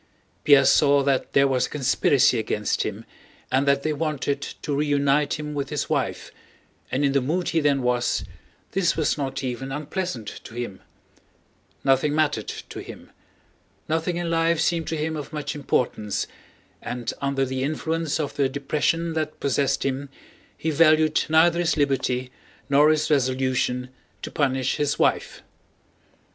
Pierre saw that there was a conspiracy against him and that they wanted to reunite him with his wife, and in the mood he then was, this was not even unpleasant to him. Nothing mattered to him. Nothing in life seemed to him of much importance, and under the influence of the depression that possessed him he valued neither his liberty nor his resolution to punish his wife.